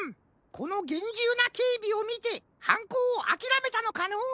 このげんじゅうなけいびをみてはんこうをあきらめたのかのう？